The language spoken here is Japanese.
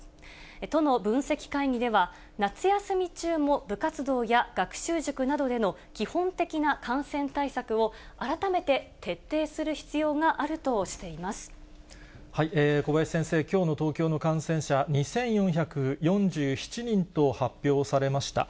都の分析会議では、夏休み中も部活動や学習塾などでの基本的な感染対策を改めて徹底小林先生、きょうの東京の感染者、２４４７人と発表されました。